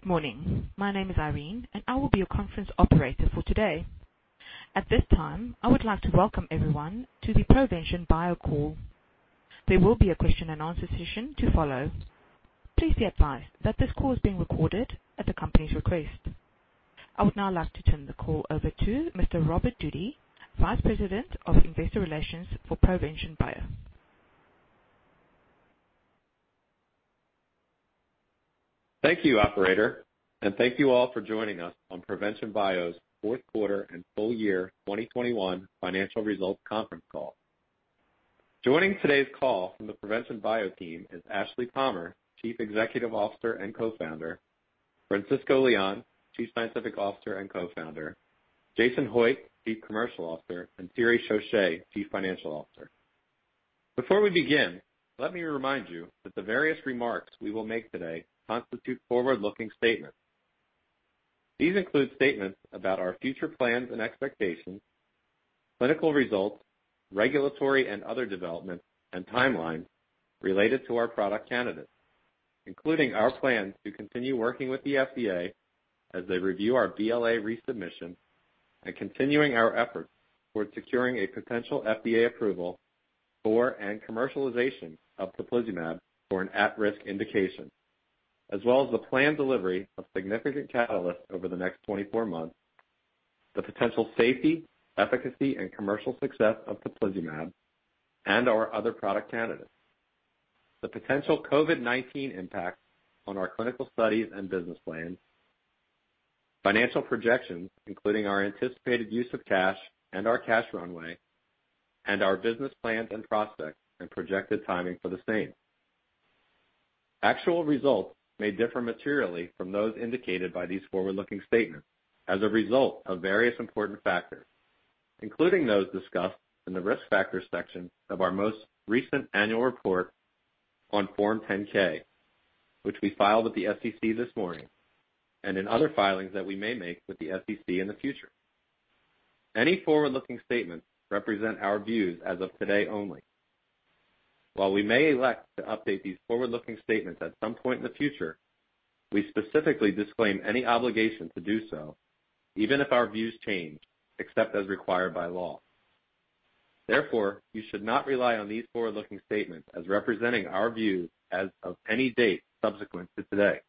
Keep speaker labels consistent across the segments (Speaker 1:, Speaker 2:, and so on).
Speaker 1: Good morning. My name is Irene, and I will be your conference operator for today. At this time, I would like to welcome everyone to the Provention Bio call. There will be a question and answer session to follow. Please be advised that this call is being recorded at the company's request. I would now like to turn the call over to Mr. Robert Doody, Vice President of Investor Relations for Provention Bio.
Speaker 2: Thank you, operator, and thank you all for joining us on Provention Bio's fourth quarter and full year 2021 financial results conference call. Joining today's call from the Provention Bio team is Ashleigh Palmer, Chief Executive Officer and Co-Founder, Francisco Leon, Chief Scientific Officer and Co-Founder, Jason Hoitt, Chief Commercial Officer, and Thierry Chauche, Chief Financial Officer. Before we begin, let me remind you that the various remarks we will make today constitute forward-looking statements. These include statements about our future plans and expectations, clinical results, regulatory and other developments, and timelines related to our product candidates, including our plans to continue working with the FDA as they review our BLA resubmission and continuing our efforts toward securing a potential FDA approval for and commercialization of teplizumab for an at-risk indication. As well as the planned delivery of significant catalysts over the next 24 months, the potential safety, efficacy, and commercial success of teplizumab and our other product candidates, the potential COVID-19 impact on our clinical studies and business plans, financial projections, including our anticipated use of cash and our cash runway, and our business plans and prospects and projected timing for the same. Actual results may differ materially from those indicated by these forward-looking statements as a result of various important factors, including those discussed in the Risk Factors section of our most recent annual report on Form 10-K, which we filed with the SEC this morning, and in other filings that we may make with the SEC in the future. Any forward-looking statements represent our views as of today only. While we may elect to update these forward-looking statements at some point in the future, we specifically disclaim any obligation to do so, even if our views change, except as required by law. Therefore, you should not rely on these forward-looking statements as representing our views as of any date subsequent to today.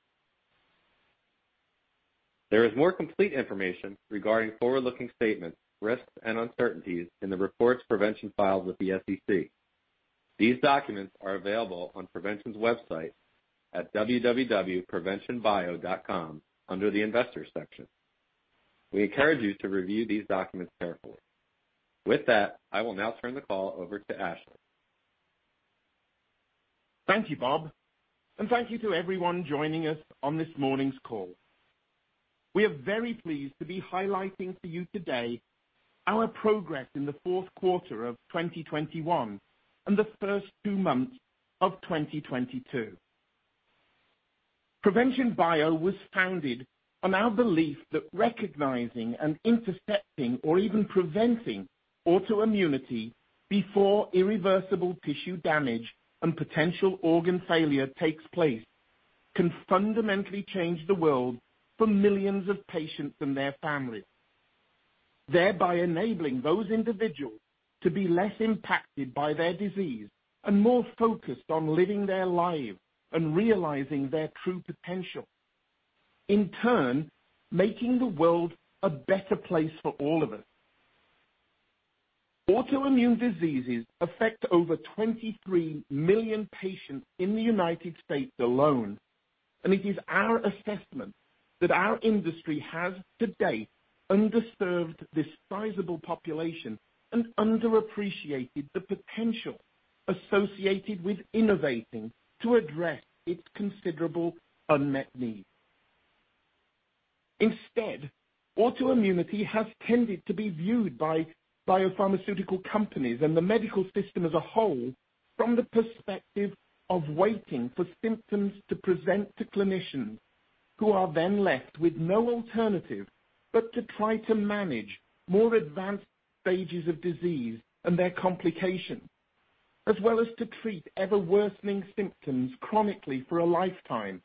Speaker 2: There is more complete information regarding forward-looking statements, risks, and uncertainties in the reports Provention filed with the SEC. These documents are available on Provention's website at www.proventionbio.com under the investors section. We encourage you to review these documents carefully. With that, I will now turn the call over to Ashleigh.
Speaker 3: Thank you, Bob, and thank you to everyone joining us on this morning's call. We are very pleased to be highlighting for you today our progress in the fourth quarter of 2021 and the first two months of 2022. Provention Bio was founded on our belief that recognizing and intercepting or even preventing autoimmunity before irreversible tissue damage and potential organ failure takes place can fundamentally change the world for millions of patients and their families, thereby enabling those individuals to be less impacted by their disease and more focused on living their lives and realizing their true potential. In turn, making the world a better place for all of us. Autoimmune diseases affect over 23 million patients in the United States alone, and it is our assessment that our industry has to date underserved this sizable population and underappreciated the potential associated with innovating to address its considerable unmet needs. Instead, autoimmunity has tended to be viewed by biopharmaceutical companies and the medical system as a whole from the perspective of waiting for symptoms to present to clinicians who are then left with no alternative but to try to manage more advanced stages of disease and their complications, as well as to treat ever-worsening symptoms chronically for a lifetime,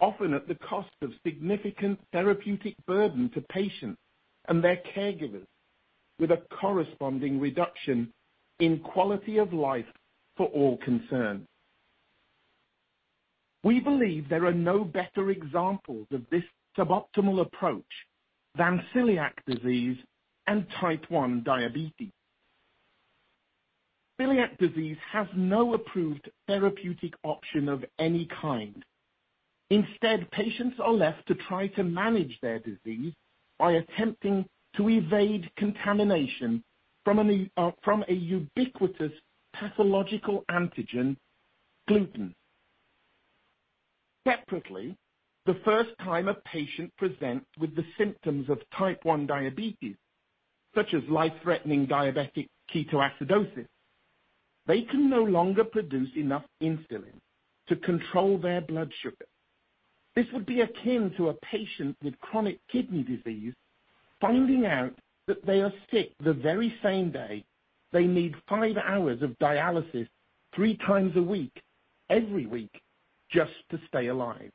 Speaker 3: often at the cost of significant therapeutic burden to patients and their caregivers, with a corresponding reduction in quality of life for all concerned. We believe there are no better examples of this suboptimal approach than celiac disease and Type 1 diabetes. Celiac disease has no approved therapeutic option of any kind. Instead, patients are left to try to manage their disease by attempting to evade contamination from a ubiquitous pathological antigen, gluten. Separately, the first time a patient presents with the symptoms of Type 1 diabetes, such as life-threatening diabetic ketoacidosis, they can no longer produce enough insulin to control their blood sugar. This would be akin to a patient with chronic kidney disease finding out that they are sick the very same day they need five hours of dialysis three times a week, every week just to stay alive.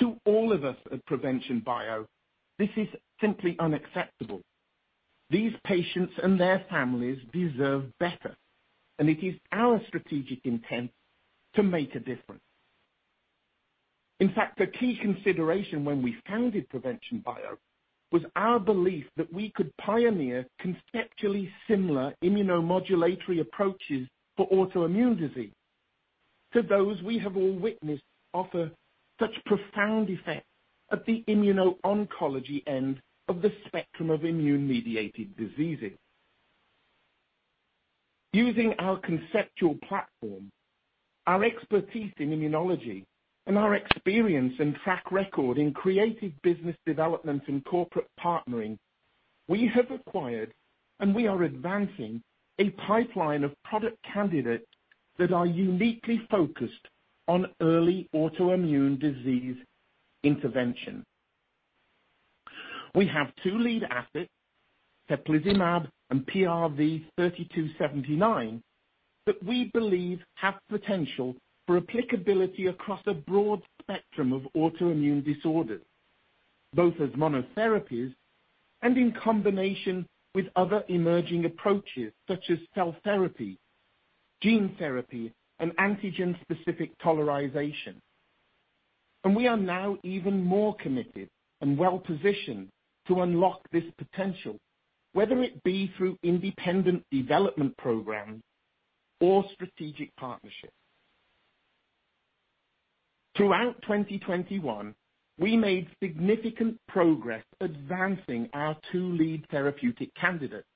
Speaker 3: To all of us at Provention Bio, this is simply unacceptable. These patients and their families deserve better, and it is our strategic intent to make a difference. In fact, a key consideration when we founded Provention Bio was our belief that we could pioneer conceptually similar immunomodulatory approaches for autoimmune disease to those we have all witnessed offer such profound effects at the immuno-oncology end of the spectrum of immune-mediated diseases. Using our conceptual platform, our expertise in immunology, and our experience and track record in creative business development and corporate partnering, we have acquired, and we are advancing a pipeline of product candidates that are uniquely focused on early autoimmune disease intervention. We have two lead assets, teplizumab and PRV-3279, that we believe have potential for applicability across a broad spectrum of autoimmune disorders, both as monotherapies and in combination with other emerging approaches such as cell therapy, gene therapy, and antigen-specific tolerization. We are now even more committed and well-positioned to unlock this potential, whether it be through independent development programs or strategic partnerships. Throughout 2021, we made significant progress advancing our two lead therapeutic candidates,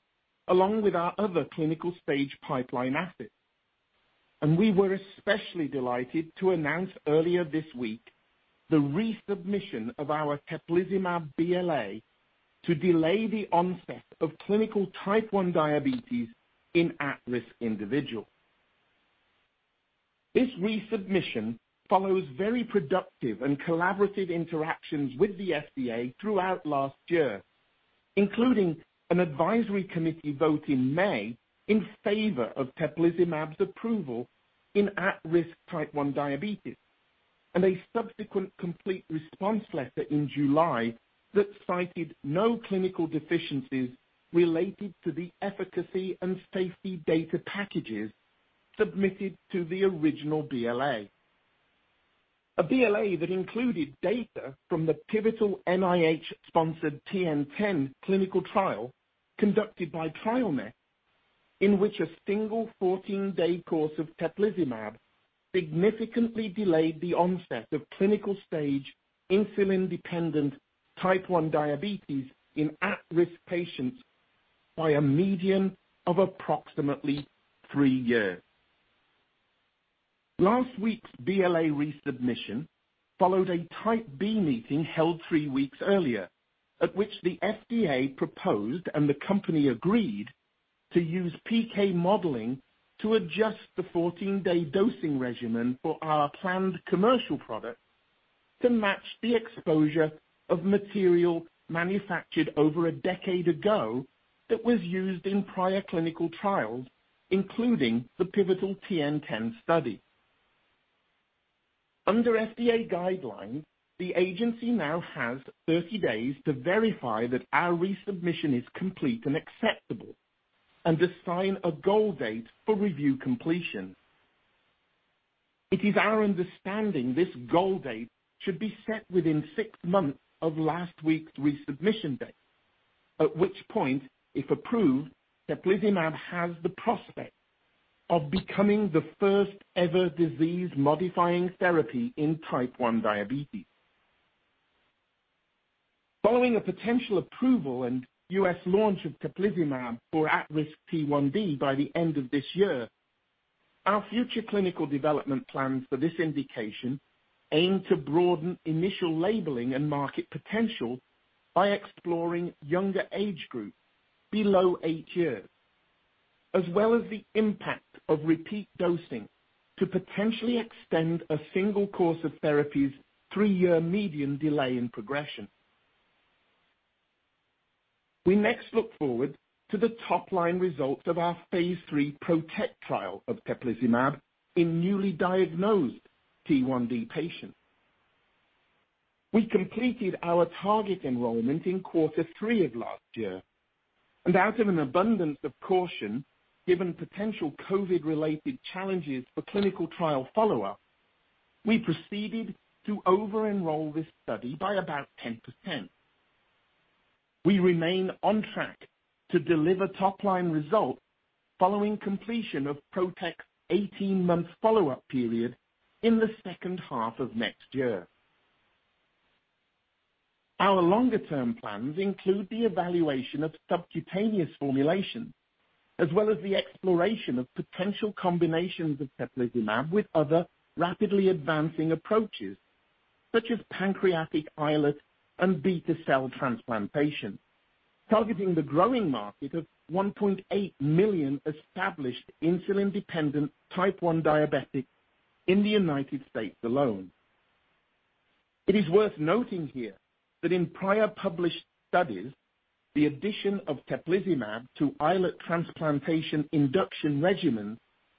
Speaker 3: along with our other clinical stage pipeline assets. We were especially delighted to announce earlier this week the resubmission of our teplizumab BLA to delay the onset of clinical Type 1 diabetes in at-risk individuals. This resubmission follows very productive and collaborative interactions with the FDA throughout last year, including an advisory committee vote in May in favor of teplizumab's approval in at-risk Type 1 diabetes, and a subsequent complete response letter in July that cited no clinical deficiencies related to the efficacy and safety data packages submitted to the original BLA. The BLA that included data from the pivotal NIH-sponsored TN-10 clinical trial conducted by TrialNet, in which a single 14-day course of teplizumab significantly delayed the onset of clinical stage insulin-dependent Type 1 diabetes in at-risk patients by a median of approximately three years. Last week's BLA resubmission followed a Type B meeting held three weeks earlier, at which the FDA proposed, and the company agreed, to use PK modeling to adjust the 14-day dosing regimen for our planned commercial product to match the exposure of material manufactured over a decade ago that was used in prior clinical trials, including the pivotal TN-10 study. Under FDA guidelines, the agency now has 30 days to verify that our resubmission is complete and acceptable, and to sign a goal date for review completion. It is our understanding this goal date should be set within six months of last week's resubmission date, at which point, if approved, teplizumab has the prospect of becoming the first ever disease-modifying therapy in Type 1 diabetes. Following a potential approval and U.S. launch of teplizumab for at-risk T1D by the end of this year, our future clinical development plans for this indication aim to broaden initial labeling and market potential by exploring younger age groups below eight years, as well as the impact of repeat dosing to potentially extend a single course of therapy's three-year median delay in progression. We next look forward to the top-line results of our phase III PROTECT trial of teplizumab in newly diagnosed T1D patients. We completed our target enrollment in quarter three of last year, and out of an abundance of caution, given potential COVID-related challenges for clinical trial follow-up, we proceeded to over-enroll this study by about 10%. We remain on track to deliver top-line results following completion of PROTECT's 18-month follow-up period in the second half of next year. Our longer-term plans include the evaluation of subcutaneous formulation, as well as the exploration of potential combinations of teplizumab with other rapidly advancing approaches, such as pancreatic islet and beta cell transplantation. Targeting the growing market of 1.8 million established insulin-dependent type one diabetic in the United States alone. It is worth noting here that in prior published studies, the addition of teplizumab to islet transplantation induction regimens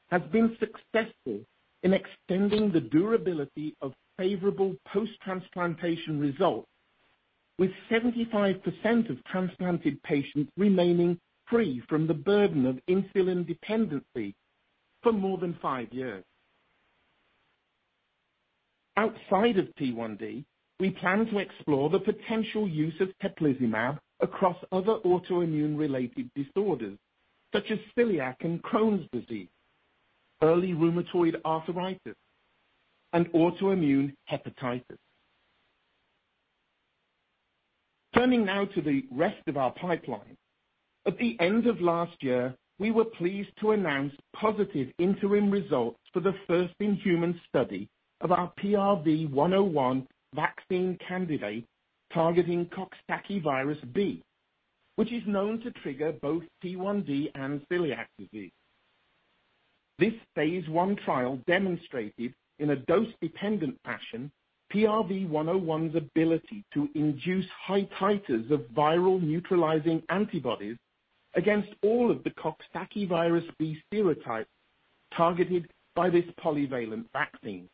Speaker 3: has been successful in extending the durability of favorable post-transplantation results with 75% of transplanted patients remaining free from the burden of insulin dependency for more than five years. Outside of T1D, we plan to explore the potential use of teplizumab across other autoimmune related disorders such as celiac and Crohn's disease, early rheumatoid arthritis, and autoimmune hepatitis. Turning now to the rest of our pipeline. At the end of last year, we were pleased to announce positive interim results for the first-in-human study of our PRV-101 vaccine candidate targeting coxsackievirus B, which is known to trigger both T1D and celiac disease. This phase I trial demonstrated, in a dose-dependent fashion, PRV-101's ability to induce high titers of viral neutralizing antibodies against all of the coxsackievirus B serotypes targeted by this polyvalent vaccine.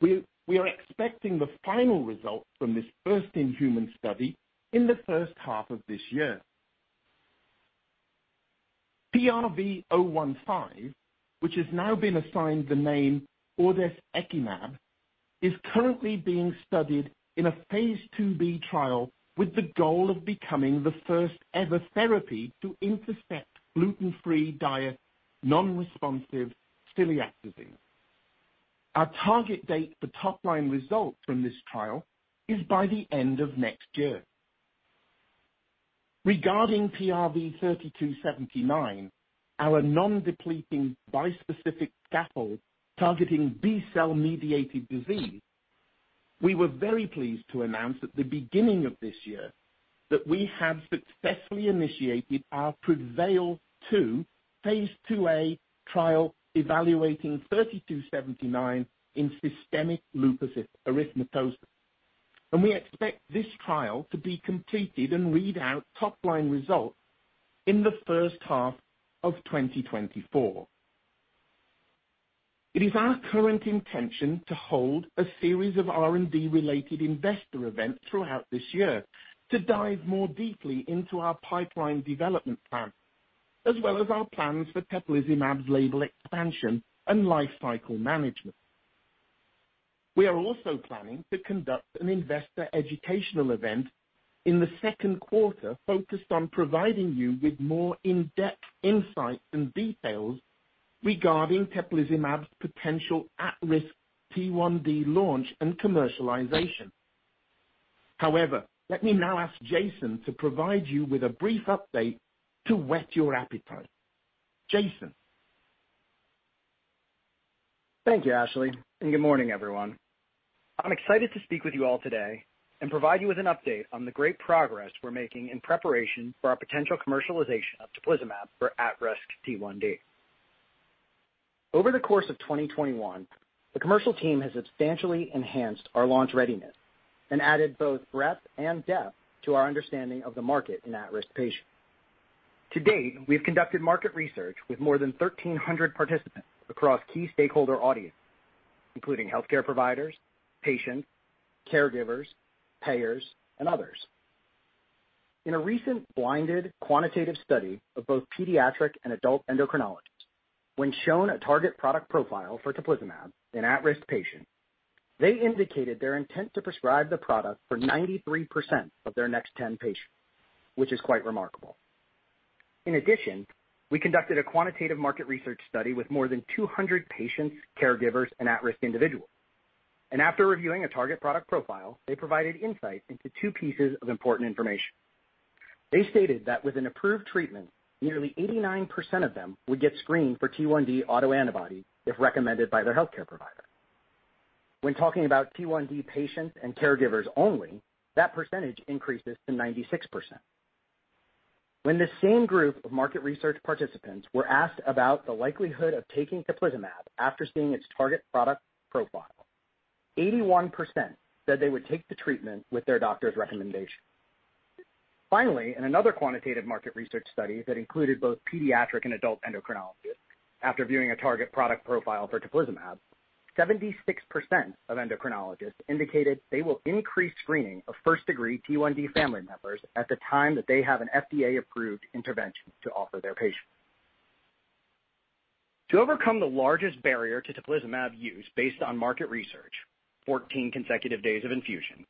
Speaker 3: We are expecting the final result from this first-in-human study in the first half of this year. PRV-015, which has now been assigned the name ordesekimab, is currently being studied in a phase IIb trial with the goal of becoming the first-ever therapy to intercept gluten-free diet non-responsive celiac disease. Our target date for top-line results from this trial is by the end of next year. Regarding PRV-3279, our non-depleting bispecific scaffold targeting B-cell mediated disease, we were very pleased to announce at the beginning of this year that we have successfully initiated our PREVAIL-2, phase IIa trial evaluating 3279 in systemic lupus erythematosus. We expect this trial to be completed and read out top-line results in the first half of 2024. It is our current intention to hold a series of R&D related investor events throughout this year to dive more deeply into our pipeline development plan, as well as our plans for teplizumab's label expansion and lifecycle management. We are also planning to conduct an investor educational event in the second quarter, focused on providing you with more in-depth insights and details regarding teplizumab's potential at-risk T1D launch and commercialization. However, let me now ask Jason to provide you with a brief update to whet your appetite. Jason?
Speaker 4: Thank you, Ashleigh, and good morning, everyone. I'm excited to speak with you all today and provide you with an update on the great progress we're making in preparation for our potential commercialization of teplizumab for at-risk T1D. Over the course of 2021, the commercial team has substantially enhanced our launch readiness and added both breadth and depth to our understanding of the market in at-risk patients. To date, we've conducted market research with more than 1,300 participants across key stakeholder audiences, including healthcare providers, patients, caregivers, payers, and others. In a recent blinded quantitative study of both pediatric and adult endocrinologists, when shown a target product profile for teplizumab in at-risk patients, they indicated their intent to prescribe the product for 93% of their next 10 patients, which is quite remarkable. In addition, we conducted a quantitative market research study with more than 200 patients, caregivers, and at-risk individuals. After reviewing a target product profile, they provided insight into two pieces of important information. They stated that with an approved treatment, nearly 89% of them would get screened for T1D autoantibodies if recommended by their healthcare provider. When talking about T1D patients and caregivers only, that percentage increases to 96%. When the same group of market research participants were asked about the likelihood of taking teplizumab after seeing its target product profile, 81% said they would take the treatment with their doctor's recommendation. Finally, in another quantitative market research study that included both pediatric and adult endocrinologists after viewing a target product profile for teplizumab, 76% of endocrinologists indicated they will increase screening of first-degree T1D family members at the time that they have an FDA-approved intervention to offer their patients. To overcome the largest barrier to teplizumab use based on market research, 14 consecutive days of infusion,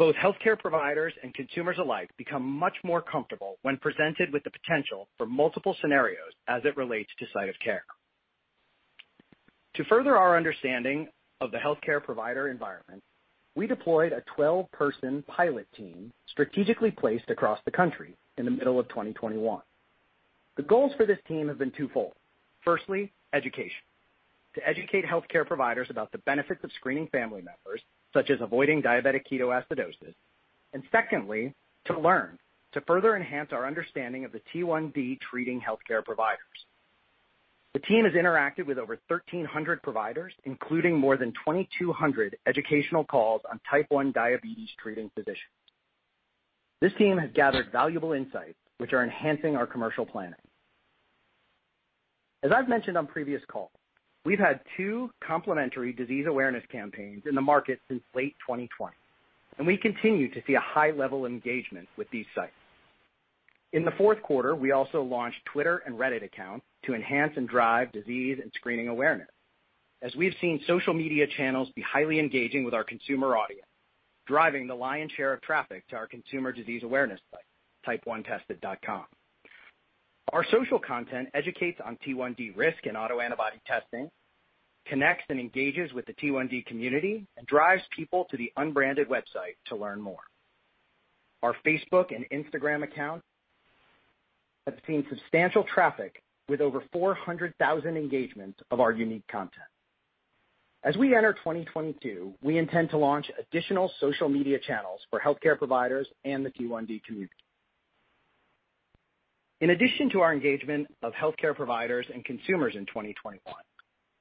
Speaker 4: both healthcare providers and consumers alike become much more comfortable when presented with the potential for multiple scenarios as it relates to site of care. To further our understanding of the healthcare provider environment, we deployed a 12-person pilot team strategically placed across the country in the middle of 2021. The goals for this team have been twofold. Firstly, education. To educate healthcare providers about the benefits of screening family members, such as avoiding diabetic ketoacidosis, and secondly, to learn, to further enhance our understanding of the T1D treating healthcare providers. The team has interacted with over 1,300 providers, including more than 2,200 educational calls on Type 1 diabetes treating physicians. This team has gathered valuable insights which are enhancing our commercial planning. As I've mentioned on previous calls, we've had two complementary disease awareness campaigns in the market since late 2020, and we continue to see a high level of engagement with these sites. In the fourth quarter, we also launched Twitter and Reddit accounts to enhance and drive disease and screening awareness. As we've seen social media channels be highly engaging with our consumer audience, driving the lion's share of traffic to our consumer disease awareness site, type1tested.com. Our social content educates on T1D risk and autoantibody testing, connects and engages with the T1D community, and drives people to the unbranded website to learn more. Our Facebook and Instagram accounts have seen substantial traffic with over 400,000 engagements of our unique content. As we enter 2022, we intend to launch additional social media channels for healthcare providers and the T1D community. In addition to our engagement of healthcare providers and consumers in 2021,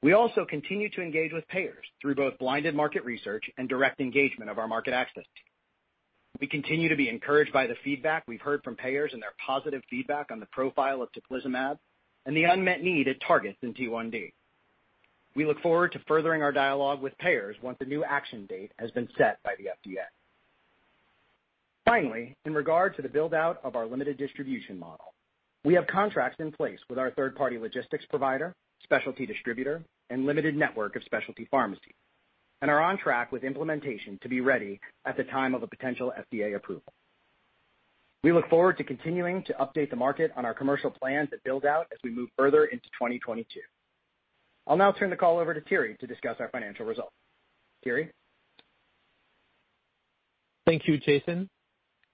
Speaker 4: we also continued to engage with payers through both blinded market research and direct engagement of our market access team. We continue to be encouraged by the feedback we've heard from payers and their positive feedback on the profile of teplizumab and the unmet need it targets in T1D. We look forward to furthering our dialogue with payers once a new action date has been set by the FDA. Finally, in regard to the build-out of our limited distribution model, we have contracts in place with our third-party logistics provider, specialty distributor, and limited network of specialty pharmacies, and are on track with implementation to be ready at the time of a potential FDA approval. We look forward to continuing to update the market on our commercial plans and build out as we move further into 2022. I'll now turn the call over to Thierry to discuss our financial results. Thierry?
Speaker 5: Thank you, Jason.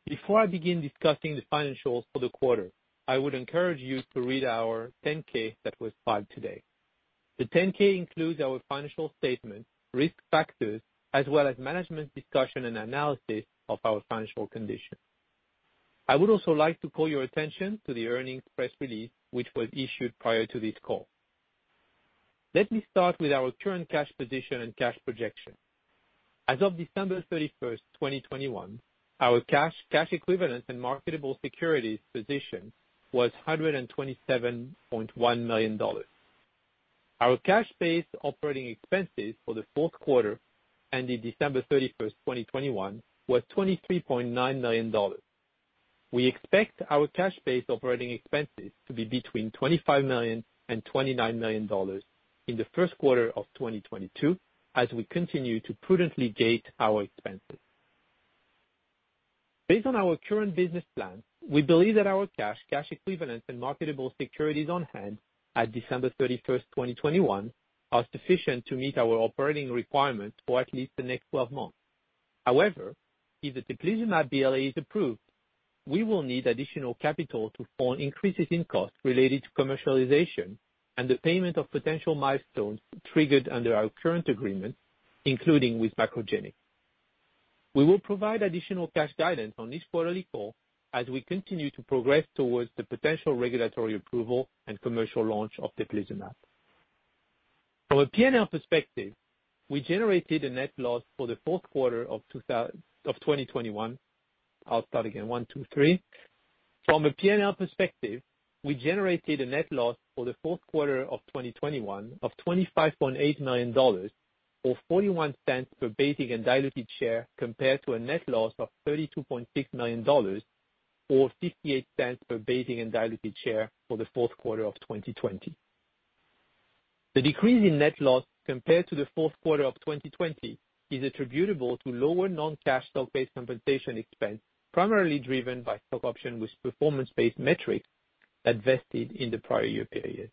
Speaker 5: Before I begin discussing the financials for the quarter, I would encourage you to read our Form 10-K that was filed today. The Form 10-K includes our financial statement, risk factors, as well as management discussion and analysis of our financial condition. I would also like to call your attention to the earnings press release, which was issued prior to this call. Let me start with our current cash position and cash projection. As of December 31st, 2021, our cash equivalent, and marketable securities position was $127.1 million. Our cash-based operating expenses for the fourth quarter ended December 31, 2021, was $23.9 million. We expect our cash-based operating expenses to be between $25 million and $29 million in the first quarter of 2022, as we continue to prudently gate our expenses. Based on our current business plan, we believe that our cash equivalent, and marketable securities on hand at December 31, 2021, are sufficient to meet our operating requirements for at least the next 12 months. However, if the teplizumab BLA is approved, we will need additional capital to fund increases in costs related to commercialization and the payment of potential milestones triggered under our current agreement, including with MacroGenics. We will provide additional cash guidance on this quarterly call as we continue to progress towards the potential regulatory approval and commercial launch of teplizumab. From a P&L perspective, we generated a net loss for the fourth quarter of 2021. From a P&L perspective, we generated a net loss for the fourth quarter of 2021 of $25.8 million or $0.41 per basic and diluted share compared to a net loss of $32.6 million or $0.58 per basic and diluted share for the fourth quarter of 2020. The decrease in net loss compared to the fourth quarter of 2020 is attributable to lower non-cash stock-based compensation expense, primarily driven by stock options with performance-based metrics that vested in the prior year period.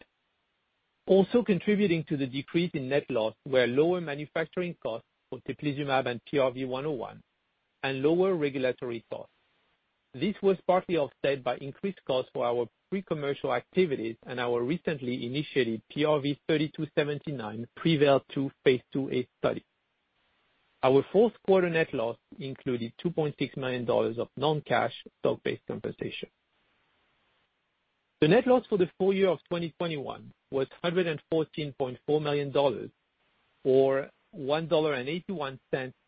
Speaker 5: Also contributing to the decrease in net loss were lower manufacturing costs for teplizumab and PRV-101 and lower regulatory costs. This was partly offset by increased costs for our pre-commercial activities and our recently initiated PRV-3279 PREVAIL-2 phase IIa study. Our fourth quarter net loss included $2.6 million of non-cash stock-based compensation. The net loss for the full year of 2021 was $114.4 million or $1.81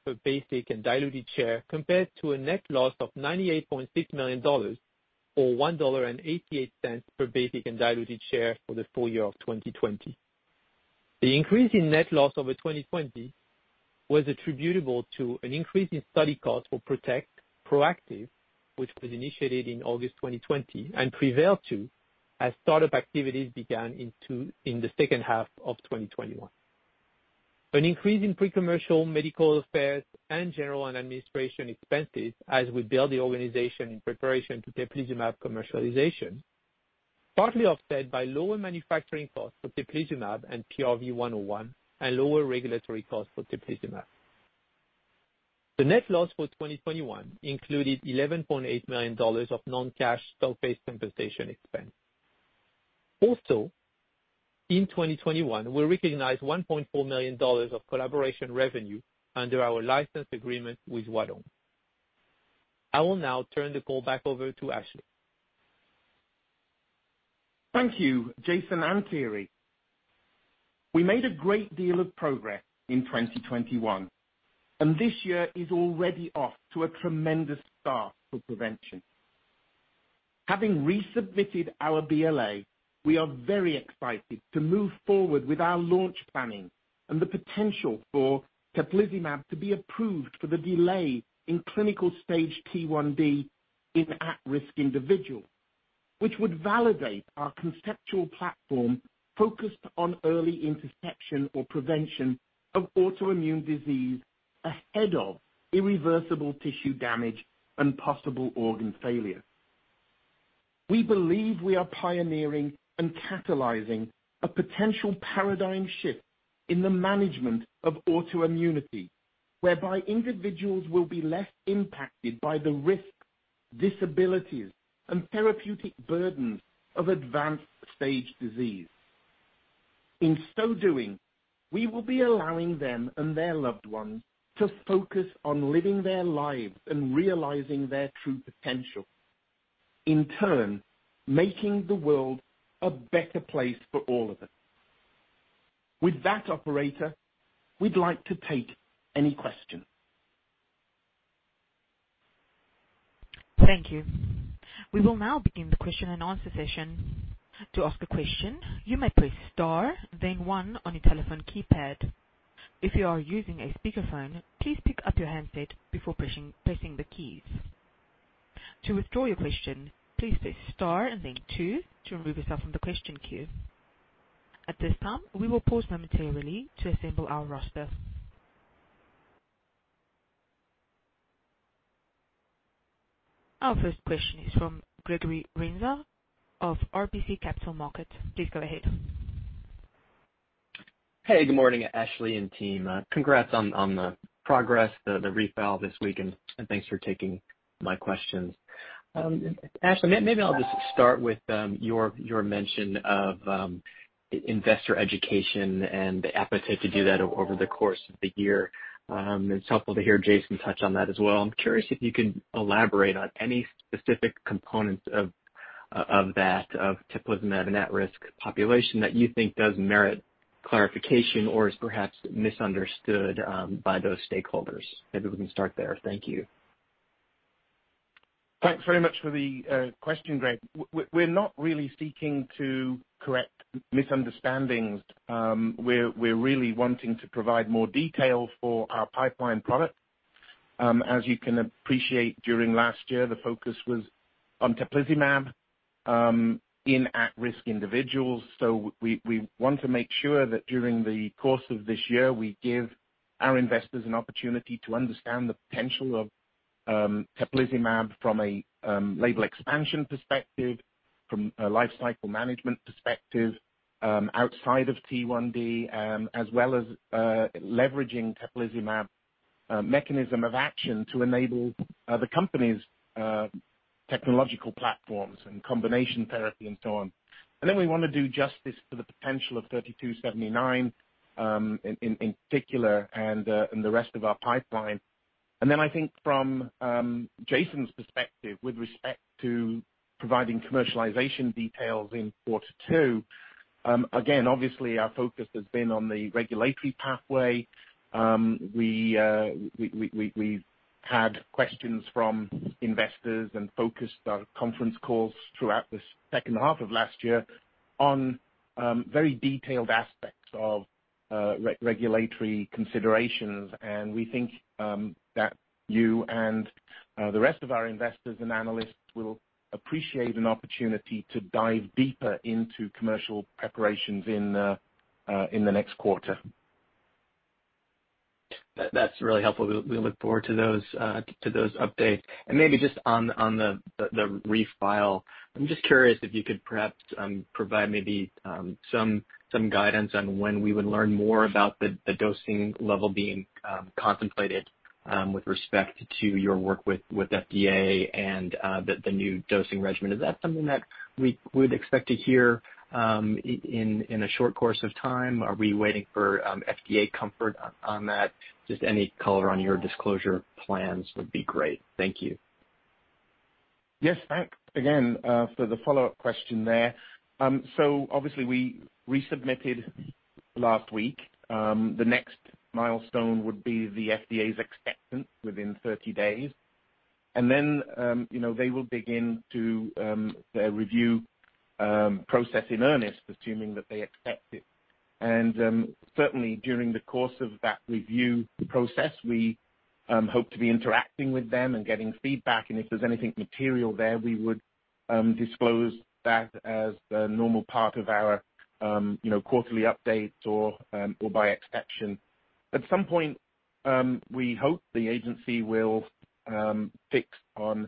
Speaker 5: per basic and diluted share compared to a net loss of $98.6 million or $1.88 per basic and diluted share for the full year of 2020. The increase in net loss over 2020 was attributable to an increase in study costs for PROTECT, PROACTIVE, which was initiated in August 2020 and PREVAIL-2 as start-up activities began in the second half of 2021. An increase in pre-commercial, medical affairs, and general and administrative expenses as we build the organization in preparation to teplizumab commercialization, partly offset by lower manufacturing costs for teplizumab and PRV-101 and lower regulatory costs for teplizumab. The net loss for 2021 included $11.8 million of non-cash stock-based compensation expense. Also, in 2021, we recognized $1.4 million of collaboration revenue under our license agreement with Huadong. I will now turn the call back over to Ashleigh.
Speaker 3: Thank you, Jason and Thierry. We made a great deal of progress in 2021, and this year is already off to a tremendous start for Provention. Having resubmitted our BLA, we are very excited to move forward with our launch planning and the potential for teplizumab to be approved for the delay in clinical stage T1D in at-risk individuals, which would validate our conceptual platform focused on early interception or prevention of autoimmune disease ahead of irreversible tissue damage and possible organ failure. We believe we are pioneering and catalyzing a potential paradigm shift in the management of autoimmunity, whereby individuals will be less impacted by the risks, disabilities, and therapeutic burdens of advanced stage disease. In so doing, we will be allowing them and their loved ones to focus on living their lives and realizing their true potential. In turn, making the world a better place for all of us. With that, operator, we'd like to take any questions.
Speaker 1: Thank you. We will now begin the question-and-answer session. To ask a question, you may press star then one on your telephone keypad. If you are using a speakerphone, please pick up your handset before pressing the keys. To withdraw your question, please press star and then two to remove yourself from the question queue. At this time, we will pause momentarily to assemble our roster. Our first question is from Gregory Renza of RBC Capital Markets. Please go ahead.
Speaker 6: Hey, good morning, Ashleigh and team. Congrats on the progress, the refile this week, and thanks for taking my questions. Ashleigh, maybe I'll just start with your mention of investor education and the appetite to do that over the course of the year. It's helpful to hear Jason touch on that as well. I'm curious if you can elaborate on any specific components of teplizumab in at-risk population that you think does merit clarification or is perhaps misunderstood by those stakeholders. Maybe we can start there. Thank you.
Speaker 3: Thanks very much for the question, Greg. We're not really seeking to correct misunderstandings. We're really wanting to provide more detail for our pipeline products. As you can appreciate, during last year, the focus was on teplizumab in at-risk individuals. We want to make sure that during the course of this year, we give our investors an opportunity to understand the potential of teplizumab from a label expansion perspective, from a lifecycle management perspective, outside of T1D, as well as leveraging teplizumab mechanism of action to enable other companies' technological platforms and combination therapy and so on. We want to do justice to the potential of PRV-3279 in particular, and the rest of our pipeline. I think from Jason's perspective with respect to providing commercialization details in quarter two, again, obviously our focus has been on the regulatory pathway. We've had questions from investors and focused our conference calls throughout the second half of last year on very detailed aspects of regulatory considerations. We think that you and the rest of our investors and analysts will appreciate an opportunity to dive deeper into commercial preparations in the next quarter.
Speaker 6: That's really helpful. We look forward to those updates. Maybe just on the refile, I'm just curious if you could perhaps provide maybe some guidance on when we would learn more about the dosing level being contemplated with respect to your work with FDA and the new dosing regimen. Is that something that we would expect to hear in a short course of time? Are we waiting for FDA comfort on that? Just any color on your disclosure plans would be great. Thank you.
Speaker 3: Yes. Thanks again for the follow-up question there. So obviously we resubmitted last week. The next milestone would be the FDA's acceptance within 30 days. Then, you know, they will begin their review process in earnest, assuming that they accept it. Certainly during the course of that review process, we hope to be interacting with them and getting feedback. If there's anything material there, we would disclose that as a normal part of our, you know, quarterly updates or by exception. At some point, we hope the agency will pick a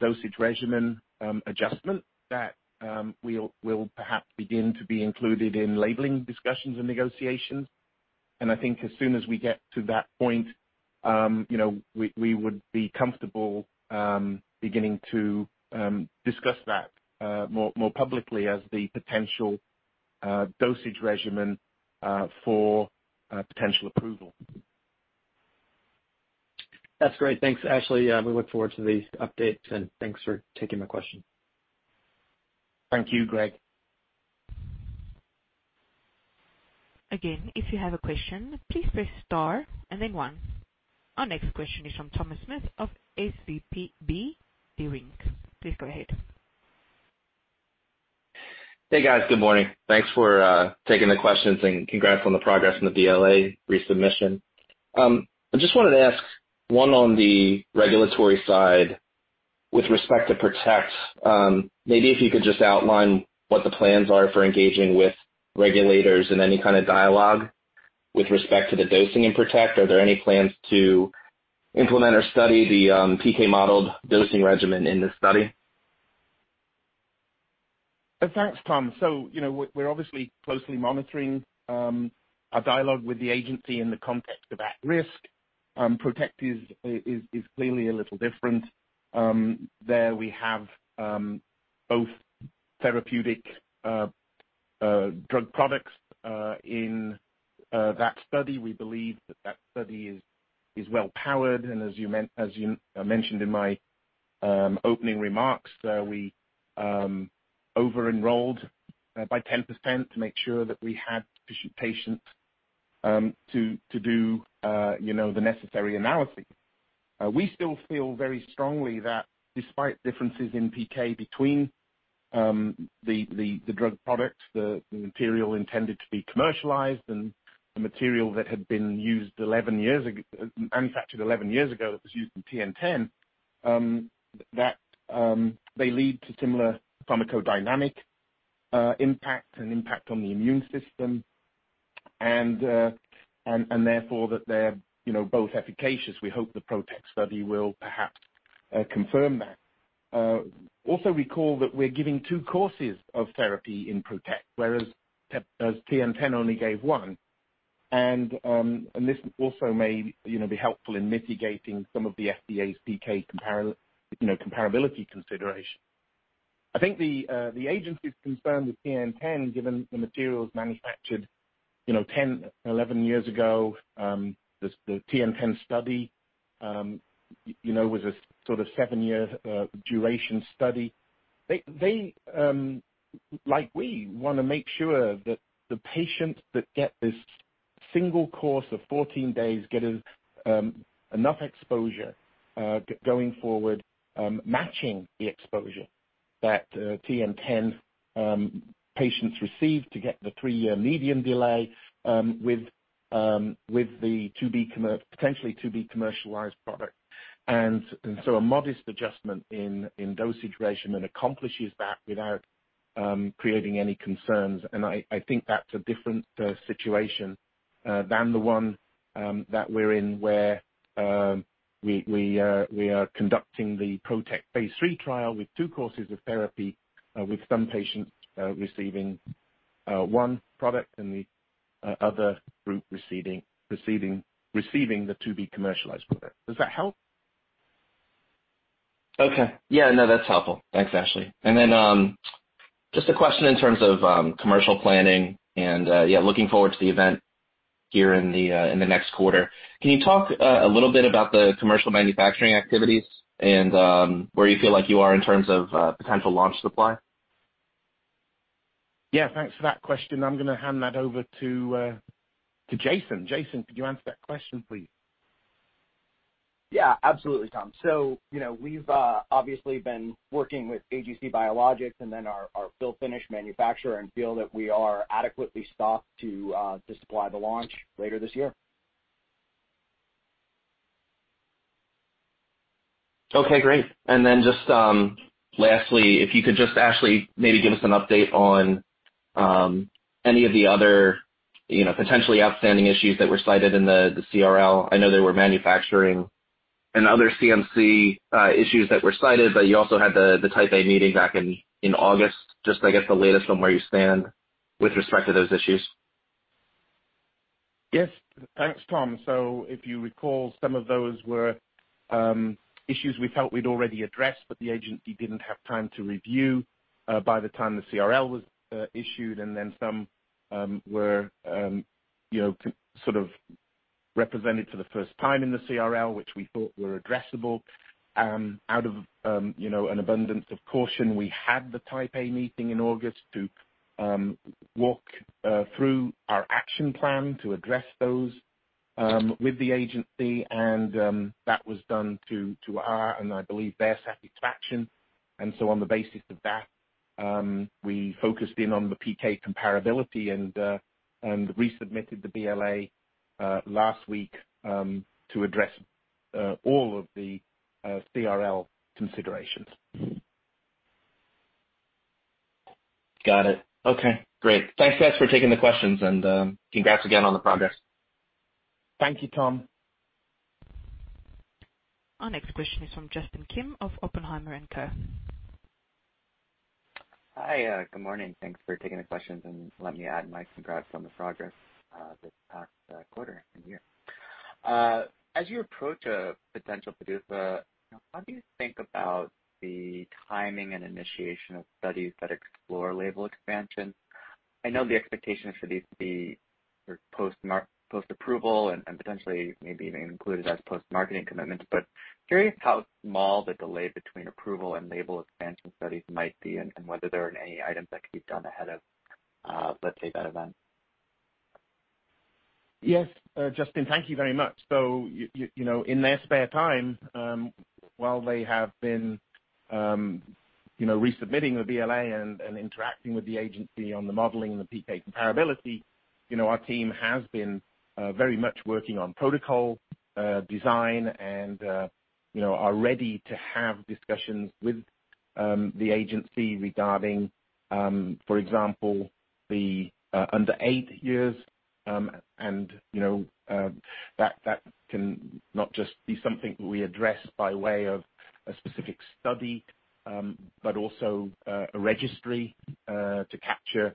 Speaker 3: dosage regimen adjustment that we'll perhaps begin to be included in labeling discussions and negotiations. I think as soon as we get to that point, you know, we would be comfortable beginning to discuss that more publicly as the potential dosage regimen for potential approval.
Speaker 6: That's great. Thanks, Ashleigh. We look forward to these updates and thanks for taking my question.
Speaker 3: Thank you, Greg.
Speaker 1: Again, if you have a question, please press star and then one. Our next question is from Thomas Smith of SVB Leerink. Please go ahead.
Speaker 7: Hey, guys. Good morning. Thanks for taking the questions and congrats on the progress in the BLA resubmission. I just wanted to ask, one, on the regulatory side with respect to PROTECT, maybe if you could just outline what the plans are for engaging with regulators in any kind of dialogue with respect to the dosing in PROTECT. Are there any plans to implement or study the PK modeled dosing regimen in this study?
Speaker 3: Thanks, Tom. You know, we're obviously closely monitoring our dialogue with the agency in the context of at-risk. PROTECT is clearly a little different. There we have both therapeutic drug products in that study. We believe that study is well powered. As you mentioned in my opening remarks, we over-enrolled by 10% to make sure that we had sufficient patients to do you know the necessary analysis. We still feel very strongly that despite differences in PK between the drug products, the material intended to be commercialized and the material that had been manufactured 11 years ago that was used in TN-10, that they lead to similar pharmacodynamic impact and impact on the immune system and therefore that they're, you know, both efficacious. We hope the PROTECT study will perhaps confirm that. Also recall that we're giving two courses of therapy in PROTECT, whereas TN-10 only gave one. This also may, you know, be helpful in mitigating some of the FDA's PK comparability considerations. I think the agency's concern with TN-10, given the materials manufactured, you know, 10, 11 years ago, the TN-10 study, you know, was a sort of seven-year duration study. They like we wanna make sure that the patients that get this single course of 14 days get enough exposure going forward, matching the exposure that TN-10 patients received to get the three-year median delay, with the potentially to-be commercialized product. A modest adjustment in dosage regimen accomplishes that without creating any concerns. I think that's a different situation than the one that we're in where we are conducting the PROTECT phase III trial with two courses of therapy with some patients receiving one product and the other group receiving the to-be commercialized product. Does that help?
Speaker 7: Okay. Yeah, no, that's helpful. Thanks, Ashleigh. Then, just a question in terms of commercial planning and, yeah, looking forward to the event here in the next quarter. Can you talk a little bit about the commercial manufacturing activities and where you feel like you are in terms of potential launch supply?
Speaker 3: Yeah, thanks for that question. I'm gonna hand that over to Jason. Jason, could you answer that question please?
Speaker 4: Yeah, absolutely, Tom. You know, we've obviously been working with AGC Biologics and then our fill-finish manufacturer and feel that we are adequately stocked to supply the launch later this year.
Speaker 7: Okay, great. Just, lastly, if you could just, Ashleigh, maybe give us an update on, any of the other, you know, potentially outstanding issues that were cited in the CRL. I know there were manufacturing and other CMC issues that were cited, but you also had the Type A meeting back in August. Just, I guess, the latest on where you stand with respect to those issues.
Speaker 3: Yes. Thanks, Tom. If you recall, some of those were issues we felt we'd already addressed, but the agency didn't have time to review by the time the CRL was issued, and then some were, you know, sort of represented for the first time in the CRL, which we thought were addressable. Out of, you know, an abundance of caution, we had the Type A meeting in August to walk through our action plan to address those with the agency. That was done to our, and I believe their satisfaction. On the basis of that, we focused in on the PK comparability and resubmitted the BLA last week to address all of the CRL considerations.
Speaker 7: Got it. Okay, great. Thanks guys for taking the questions and congrats again on the progress.
Speaker 3: Thank you, Tom.
Speaker 1: Our next question is from Justin Kim of Oppenheimer & Co.
Speaker 8: Hi, good morning. Thanks for taking the questions and let me add my congrats on the progress this past quarter and year. As you approach a potential PDUFA, how do you think about the timing and initiation of studies that explore label expansion? I know the expectation is for these to be post-approval and potentially maybe even included as post-marketing commitments. I'm curious how small the delay between approval and label expansion studies might be and whether there are any items that could be done ahead of, let's say that event.
Speaker 3: Yes, Justin, thank you very much. You know, in their spare time, while they have been, you know, resubmitting the BLA and interacting with the agency on the modeling and the PK comparability, you know, our team has been very much working on protocol design and, you know, are ready to have discussions with the agency regarding, for example, the under eight years. You know, that cannot just be something we address by way of a specific study, but also a registry to capture,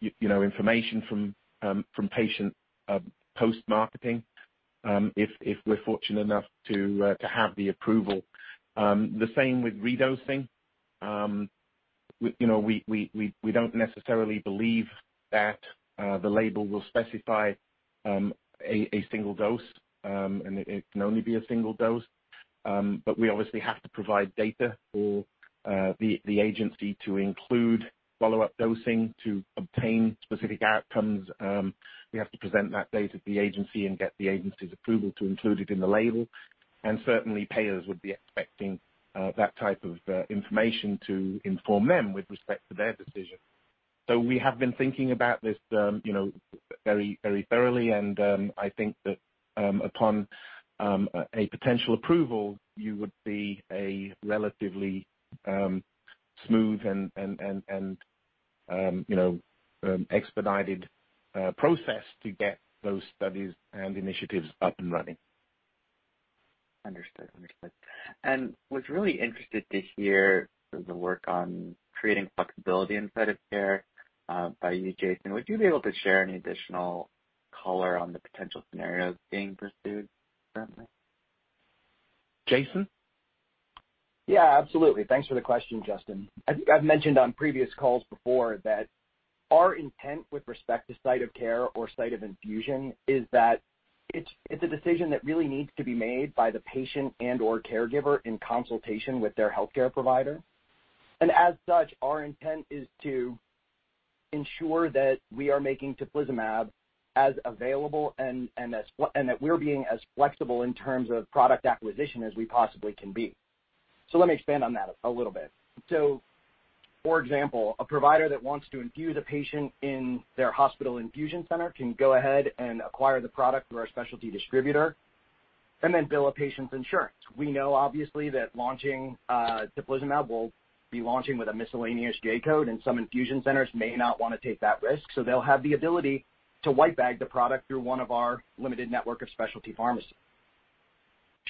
Speaker 3: you know, information from patients post-marketing, if we're fortunate enough to have the approval. The same with redosing. You know, we don't necessarily believe that the label will specify a single dose and it can only be a single dose. We obviously have to provide data for the agency to include follow-up dosing to obtain specific outcomes. We have to present that data to the agency and get the agency's approval to include it in the label. Certainly, payers would be expecting that type of information to inform them with respect to their decision. We have been thinking about this, you know, very thoroughly. I think that upon a potential approval, you would see a relatively smooth and, you know, expedited process to get those studies and initiatives up and running.
Speaker 8: Understood. Was really interested to hear the work on creating flexibility in site of care, by you, Jason. Would you be able to share any additional color on the potential scenarios being pursued currently?
Speaker 3: Jason?
Speaker 4: Yeah, absolutely. Thanks for the question, Justin. I think I've mentioned on previous calls before that our intent with respect to site of care or site of infusion is that it's a decision that really needs to be made by the patient and/or caregiver in consultation with their healthcare provider. As such, our intent is to ensure that we are making teplizumab as available and that we're being as flexible in terms of product acquisition as we possibly can be. Let me expand on that a little bit. For example, a provider that wants to infuse a patient in their hospital infusion center can go ahead and acquire the product through our specialty distributor and then bill a patient's insurance. We know obviously that teplizumab will be launching with a miscellaneous J-code, and some infusion centers may not wanna take that risk, so they'll have the ability to white bag the product through one of our limited network of specialty pharmacies.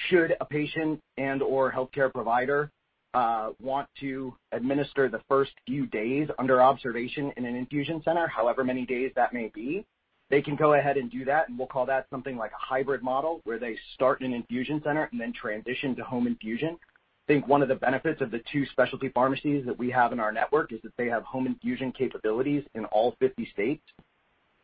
Speaker 4: Should a patient and/or healthcare provider want to administer the first few days under observation in an infusion center, however many days that may be, they can go ahead and do that, and we'll call that something like a hybrid model, where they start in an infusion center and then transition to home infusion. I think one of the benefits of the two specialty pharmacies that we have in our network is that they have home infusion capabilities in all 50 states.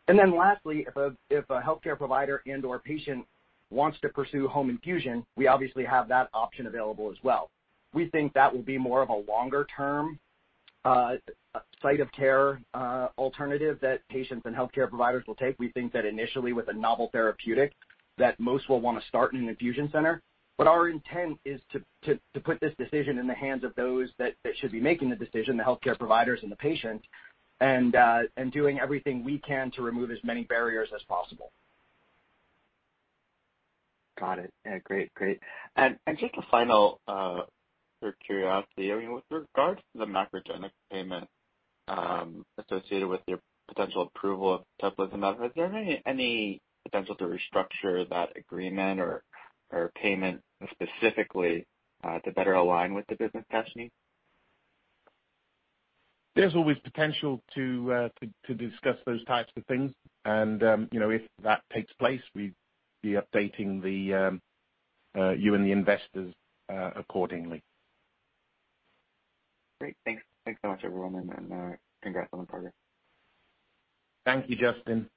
Speaker 4: Lastly, if a healthcare provider and/or patient wants to pursue home infusion, we obviously have that option available as well. We think that will be more of a longer term site of care alternative that patients and healthcare providers will take. We think that initially with a novel therapeutic, that most will wanna start in an infusion center. Our intent is to put this decision in the hands of those that should be making the decision, the healthcare providers and the patients, and doing everything we can to remove as many barriers as possible.
Speaker 8: Got it. Yeah, great. Just a final, for curiosity, I mean, with regard to the MacroGenics payment, associated with your potential approval of teplizumab, is there any potential to restructure that agreement or payment specifically, to better align with the business needs?
Speaker 3: There's always potential to discuss those types of things. You know, if that takes place, we'd be updating you and the investors accordingly.
Speaker 8: Great. Thanks. Thanks so much everyone, and congrats on the progress.
Speaker 3: Thank you, Justin.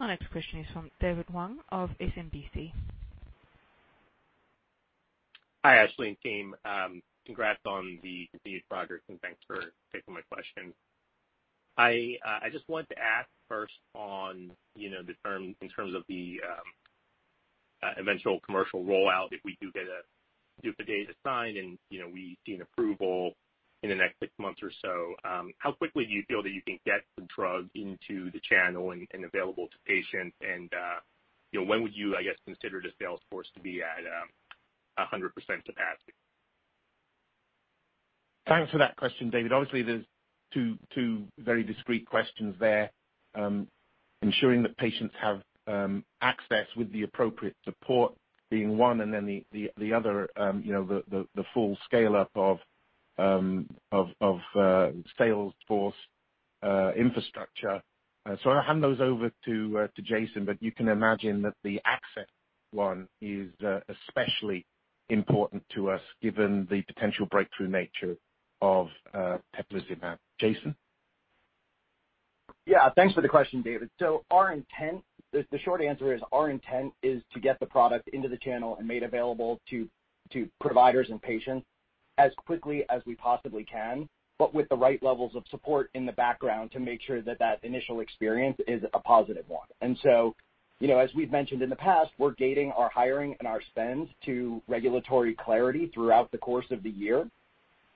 Speaker 1: Our next question is from David Hoang of SMBC.
Speaker 9: Hi, Ashleigh and team. Congrats on the continued progress, and thanks for taking my question. I just wanted to ask first on you know in terms of the eventual commercial rollout, if we do get a PDUFA date assigned and you know we see an approval in the next six months or so, how quickly do you feel that you can get the drug into the channel and available to patients? You know, when would you, I guess, consider the sales force to be at 100% capacity?
Speaker 3: Thanks for that question, David. Obviously, there's two very discrete questions there. Ensuring that patients have access with the appropriate support being one, and then the other, you know, the full scale-up of sales force infrastructure. So I'll hand those over to Jason, but you can imagine that the access one is especially important to us given the potential breakthrough nature of teplizumab. Jason?
Speaker 4: Yeah. Thanks for the question, David. The short answer is our intent is to get the product into the channel and made available to providers and patients as quickly as we possibly can, but with the right levels of support in the background to make sure that initial experience is a positive one. You know, as we've mentioned in the past, we're gating our hiring and our spends to regulatory clarity throughout the course of the year.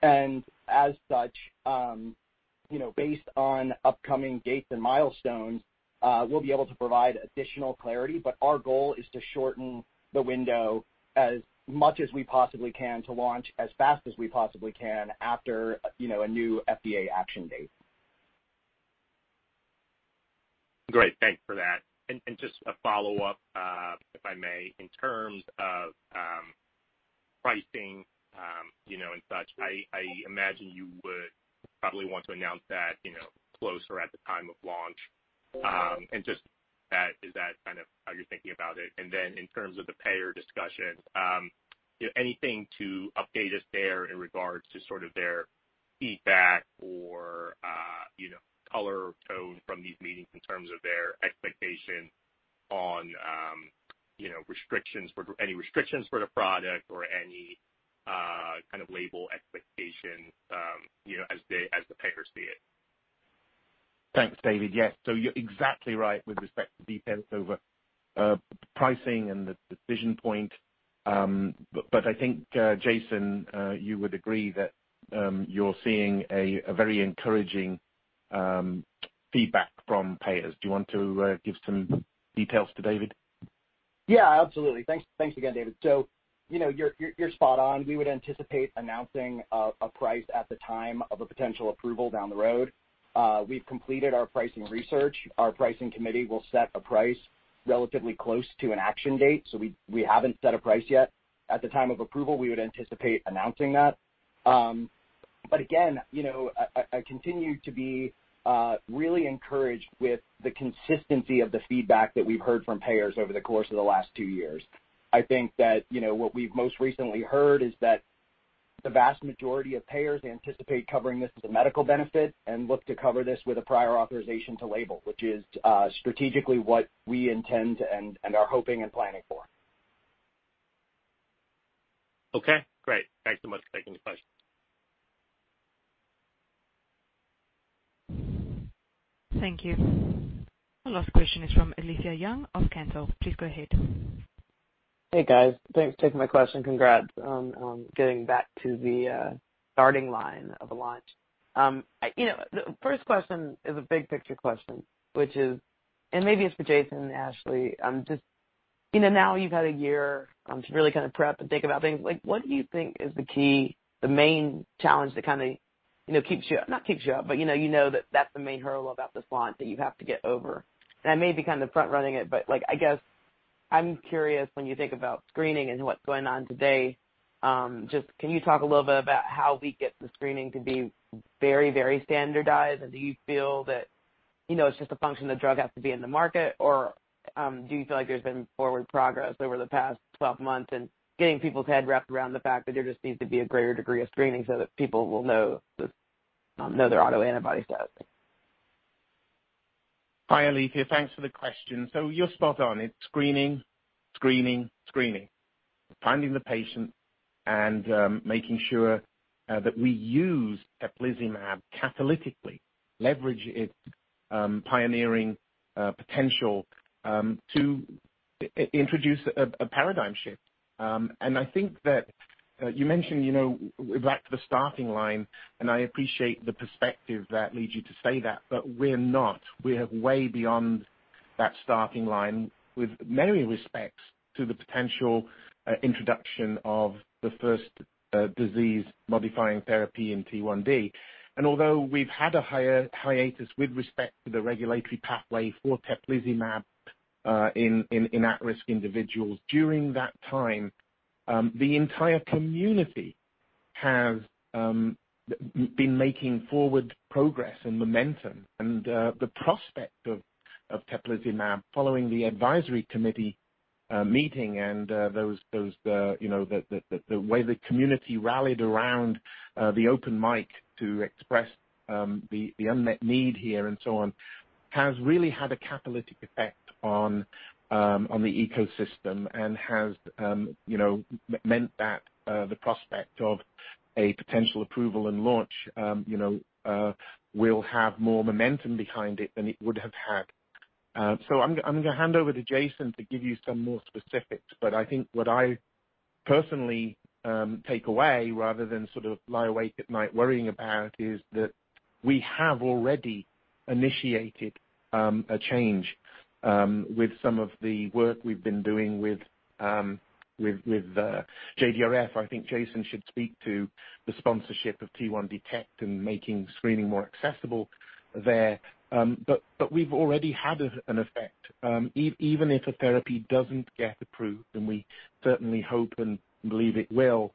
Speaker 4: As such, you know, based on upcoming dates and milestones, we'll be able to provide additional clarity. Our goal is to shorten the window as much as we possibly can to launch as fast as we possibly can after you know, a new FDA action date.
Speaker 9: Great. Thanks for that. Just a follow-up, if I may. In terms of pricing, you know, and such, I imagine you would probably want to announce that, you know, closer to the time of launch. Just that, is that kind of how you're thinking about it? Then in terms of the payer discussion, anything to update us there in regards to sort of their feedback or, you know, color or tone from these meetings in terms of their expectation on, you know, restrictions for the product or any kind of label expectation, you know, as the payers see it?
Speaker 3: Thanks, David. Yes. You're exactly right with respect to details over pricing and the decision point. I think, Jason, you would agree that you're seeing a very encouraging feedback from payers. Do you want to give some details to David?
Speaker 4: Yeah. Absolutely. Thanks again, David. You know, you're spot on. We would anticipate announcing a price at the time of a potential approval down the road. We've completed our pricing research. Our pricing committee will set a price relatively close to an action date. We haven't set a price yet. At the time of approval, we would anticipate announcing that. Again, you know, I continue to be really encouraged with the consistency of the feedback that we've heard from payers over the course of the last two years. I think that, you know, what we've most recently heard is that the vast majority of payers anticipate covering this as a medical benefit and look to cover this with a prior authorization to label, which is strategically what we intend and are hoping and planning for.
Speaker 9: Okay, great. Thanks so much for taking the question.
Speaker 1: Thank you. Our last question is from Alethea Young of Cantor. Please go ahead.
Speaker 10: Hey, guys. Thanks for taking my question. Congrats on getting back to the starting line of a launch. You know, the first question is a big picture question, which is, and maybe it's for Jason and Ashleigh. Just, you know, now you've had a year to really kind of prep and think about things. Like, what do you think is the key, the main challenge that kinda, you know, keeps you up, but you know that that's the main hurdle about this launch that you have to get over. I may be kind of front-running it, but, like, I guess I'm curious when you think about screening and what's going on today, just can you talk a little bit about how we get the screening to be very, very standardized? Do you feel that, you know, it's just a function the drug has to be in the market, or, do you feel like there's been forward progress over the past 12 months in getting people's head wrapped around the fact that there just needs to be a greater degree of screening so that people will know their autoantibody status?
Speaker 3: Hi, Alethea. Thanks for the question. You're spot on. It's screening, screening. Finding the patient and making sure that we use teplizumab catalytically, leverage its pioneering potential to introduce a paradigm shift. I think that you mentioned, you know, back to the starting line, and I appreciate the perspective that leads you to say that, but we're not. We are way beyond that starting line in many respects to the potential introduction of the first disease-modifying therapy in T1D. Although we've had a hiatus with respect to the regulatory pathway for teplizumab in at-risk individuals, during that time, the entire community has been making forward progress and momentum. The prospect of teplizumab following the advisory committee meeting and the way the community rallied around the open mic to express the unmet need here and so on has really had a catalytic effect on the ecosystem and has you know meant that the prospect of a potential approval and launch you know will have more momentum behind it than it would have had. I'm gonna hand over to Jason to give you some more specifics, but I think what I personally take away rather than sort of lie awake at night worrying about is that we have already initiated a change with some of the work we've been doing with JDRF. I think Jason should speak to the sponsorship of T1Detect and making screening more accessible there. We've already had an effect. Even if a therapy doesn't get approved, and we certainly hope and believe it will,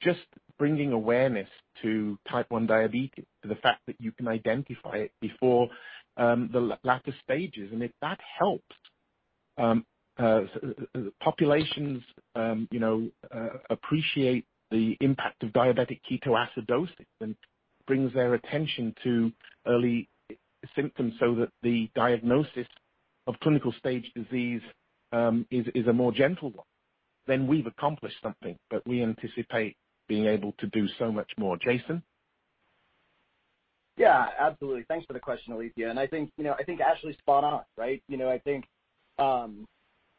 Speaker 3: just bringing awareness to Type 1 diabetes to the fact that you can identify it before the latter stages. If that helps populations, you know, appreciate the impact of diabetic ketoacidosis and brings their attention to early symptoms so that the diagnosis of clinical stage disease is a more gentle one, then we've accomplished something. We anticipate being able to do so much more. Jason.
Speaker 4: Yeah, absolutely. Thanks for the question, Alethea. I think, you know, I think Ashleigh's spot on, right? You know, I think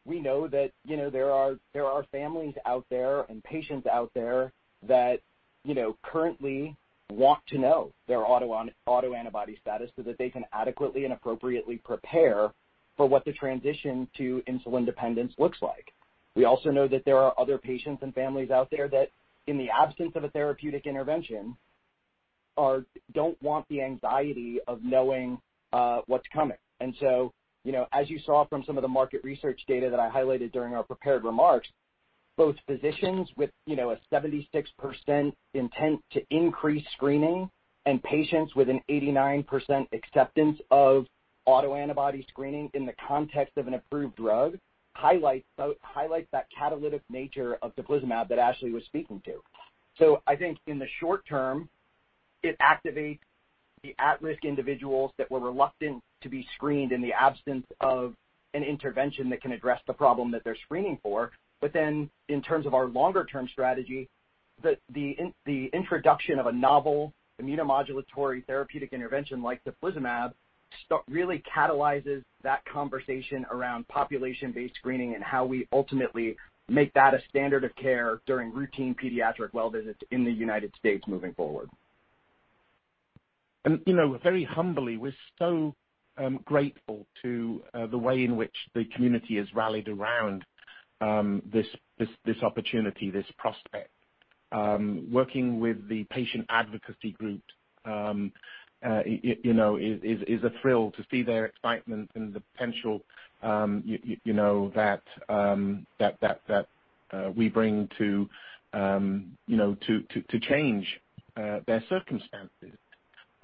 Speaker 4: we know that, you know, there are families out there and patients out there that, you know, currently want to know their autoantibody status so that they can adequately and appropriately prepare for what the transition to insulin dependence looks like. We also know that there are other patients and families out there that, in the absence of a therapeutic intervention, don't want the anxiety of knowing what's coming. You know, as you saw from some of the market research data that I highlighted during our prepared remarks, both physicians with, you know, a 76% intent to increase screening and patients with an 89% acceptance of autoantibody screening in the context of an approved drug highlights that catalytic nature of teplizumab that Ashleigh was speaking to. I think in the short term, it activates the at-risk individuals that were reluctant to be screened in the absence of an intervention that can address the problem that they're screening for. In terms of our longer term strategy, the introduction of a novel immunomodulatory therapeutic intervention like teplizumab really catalyzes that conversation around population-based screening and how we ultimately make that a standard of care during routine pediatric well visits in the United States moving forward.
Speaker 3: You know, very humbly, we're so grateful to the way in which the community has rallied around this opportunity, this prospect. Working with the patient advocacy group, you know, is a thrill to see their excitement and the potential, you know, that we bring to you know, to change their circumstances.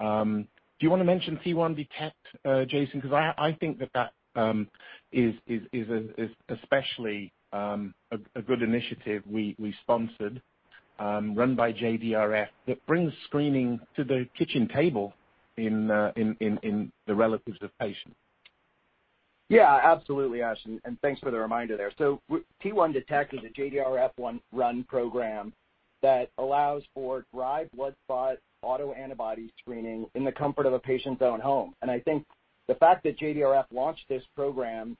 Speaker 3: Do you wanna mention T1Detect, Jason? Because I think that is especially a good initiative we sponsored, run by JDRF, that brings screening to the kitchen table in the relatives of patients.
Speaker 4: Yeah, absolutely, Ash, and thanks for the reminder there. T1Detect is a JDRF run program that allows for dry blood spot autoantibody screening in the comfort of a patient's own home. I think the fact that JDRF launched this program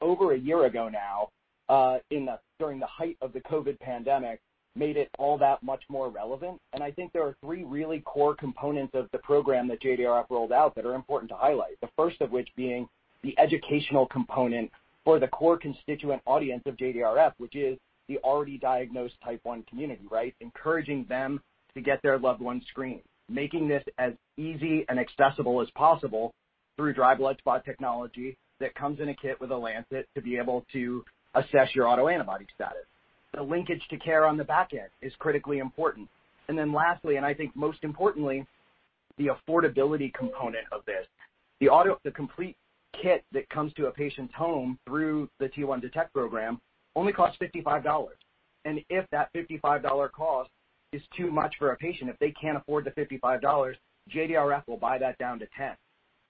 Speaker 4: over a year ago now, during the height of the COVID pandemic, made it all that much more relevant. I think there are three really core components of the program that JDRF rolled out that are important to highlight. The first of which being the educational component for the core constituent audience of JDRF, which is the already diagnosed type one community, right. Encouraging them to get their loved ones screened, making this as easy and accessible as possible through dry blood spot technology that comes in a kit with a lancet to be able to assess your autoantibody status. The linkage to care on the back end is critically important. Then lastly, and I think most importantly, the affordability component of this. The complete kit that comes to a patient's home through the T1Detect program only costs $55. If that $55 cost is too much for a patient, if they can't afford the $55, JDRF will buy that down to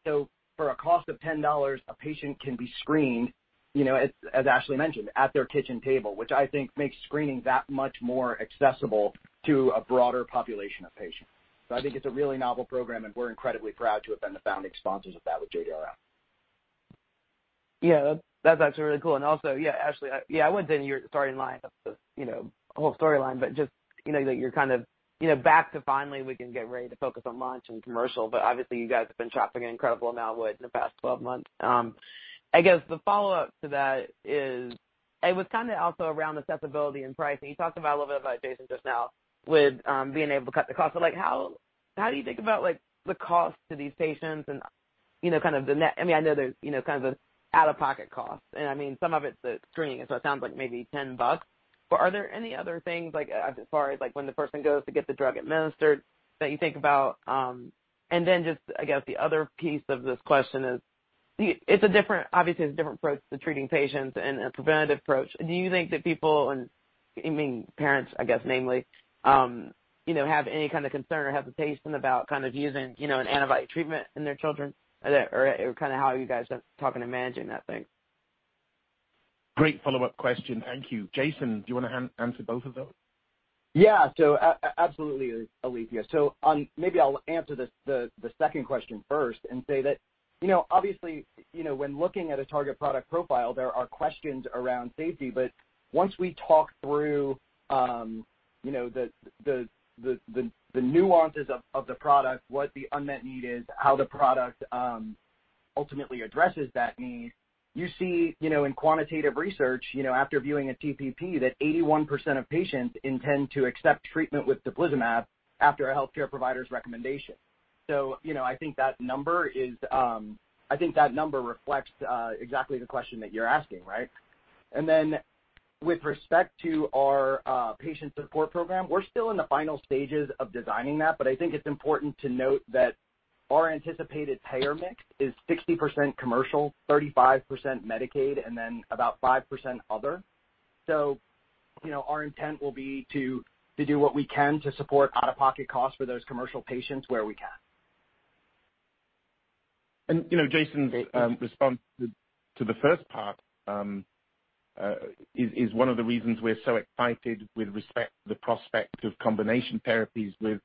Speaker 4: $10. For a cost of $10, a patient can be screened, you know, as Ashleigh mentioned, at their kitchen table, which I think makes screening that much more accessible to a broader population of patients. I think it's a really novel program, and we're incredibly proud to have been the founding sponsors of that with JDRF.
Speaker 10: Yeah, that's actually really cool. Also, yeah, Ashleigh, yeah, I went down your starting line of the, you know, whole storyline, but just, you know, that you're kind of, you know, back to finally we can get ready to focus on launch and commercial, but obviously you guys have been chopping an incredible amount of wood in the past 12 months. I guess the follow-up to that is it was kind of also around accessibility and pricing. You talked about a little bit about Jason just now with being able to cut the cost. Like, how do you think about, like, the cost to these patients and, you know, kind of the net? I mean, I know there's, you know, kind of out-of-pocket costs and I mean some of it's the screening, so it sounds like maybe $10. Are there any other things like as far as like when the person goes to get the drug administered that you think about? Just I guess the other piece of this question is obviously, it's a different approach to treating patients and a preventative approach. Do you think that people and, I mean, parents, I guess namely, you know, have any kind of concern or hesitation about kind of using, you know, an antibody treatment in their children? Or kind of how are you guys talking to managing that thing?
Speaker 3: Great follow-up question. Thank you. Jason, do you wanna answer both of those?
Speaker 4: Yeah. Absolutely, Alethea. Maybe I'll answer the second question first and say that, you know, obviously, you know, when looking at a target product profile, there are questions around safety. But once we talk through, you know, the nuances of the product, what the unmet need is, how the product ultimately addresses that need. You see, you know, in quantitative research, you know, after viewing a TPP, 81% of patients intend to accept treatment with teplizumab after a healthcare provider's recommendation. You know, I think that number is, I think that number reflects exactly the question that you're asking, right? With respect to our patient support program, we're still in the final stages of designing that. I think it's important to note that our anticipated payer mix is 60% commercial, 35% Medicaid, and then about 5% other. You know, our intent will be to do what we can to support out-of-pocket costs for those commercial patients where we can.
Speaker 3: You know, Jason's response to the first part is one of the reasons we're so excited with respect to the prospect of combination therapies with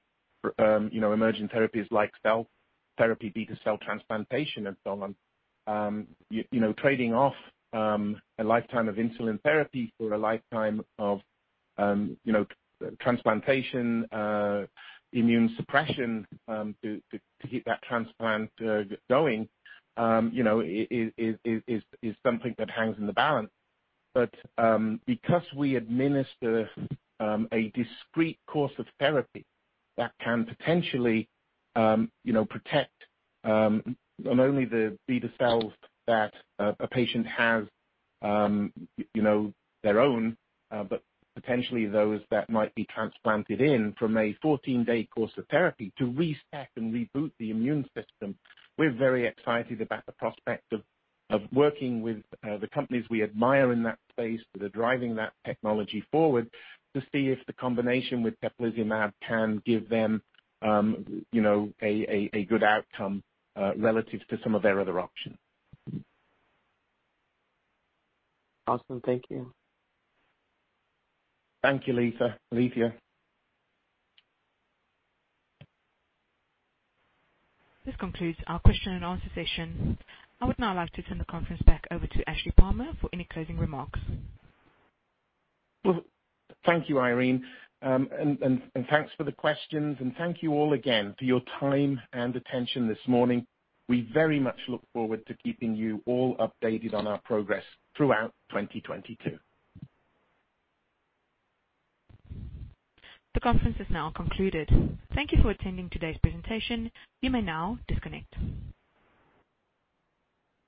Speaker 3: you know, emerging therapies like cell therapy, beta cell transplantation, and so on. You know, trading off a lifetime of insulin therapy for a lifetime of you know, transplantation, immune suppression to keep that transplant going you know, is something that hangs in the balance. Because we administer a discrete course of therapy that can potentially you know, protect not only the beta cells that a patient has you know, their own, but potentially those that might be transplanted in from a 14-day course of therapy to reset and reboot the immune system. We're very excited about the prospect of working with the companies we admire in that space that are driving that technology forward to see if the combination with teplizumab can give them you know a good outcome relative to some of their other options.
Speaker 10: Awesome. Thank you.
Speaker 3: Thank you, Lisa. Alethia.
Speaker 1: This concludes our question and answer session. I would now like to turn the conference back over to Ashleigh Palmer for any closing remarks.
Speaker 3: Well, thank you, Irene, and thanks for the questions. Thank you all again for your time and attention this morning. We very much look forward to keeping you all updated on our progress throughout 2022.
Speaker 1: The conference is now concluded. Thank you for attending today's presentation. You may now disconnect.